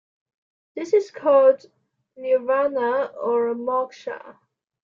This is called "nirvana" or "moksha".